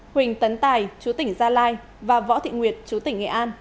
huỳnh tấn tài chú tỉnh gia lai và võ thị nguyệt chú tỉnh nghệ an